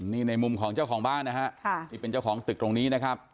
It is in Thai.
นี่ในมุมของเจ้าของบ้านนะฮะที่เป็นเจ้าของตึกตรงนี้นะครับ